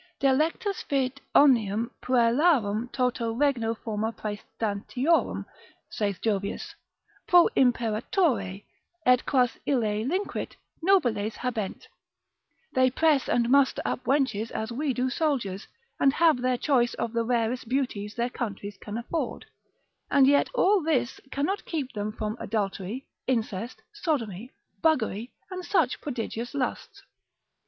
Delectus fit omnium puellarum toto regno forma praestantiorum (saith Jovius) pro imperatore; et quas ille linquit, nobiles habent; they press and muster up wenches as we do soldiers, and have their choice of the rarest beauties their countries can afford, and yet all this cannot keep them from adultery, incest, sodomy, buggery, and such prodigious lusts.